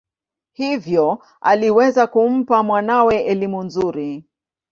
Hivyo aliweza kumpa mwanawe elimu nzuri.